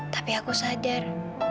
tapi aku sadar